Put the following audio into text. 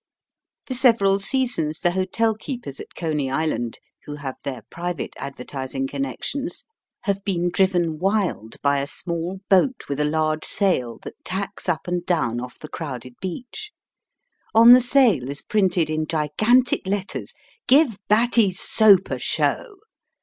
For several seasons the hotel keepers at Coney Island, who have their private advertising connections, have been driven wild by a small boat with a large sail that tacks up and down ofif the crowded beach. On the sail is printed in gigantic letters, " Give Batty's Soap a Show."